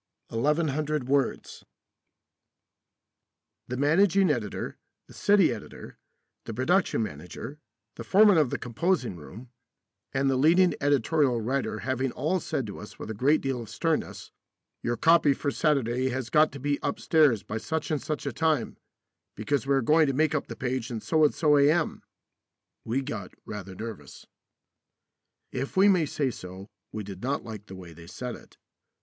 1100 WORDS The managing editor, the city editor, the production manager, the foreman of the composing room, and the leading editorial writer having all said to us with a great deal of sternness, "Your copy for Saturday has got to be upstairs by such and such a time, because we are going to make up the page at so and so A.M.," we got rather nervous. If we may say so, we did not like the way they said it.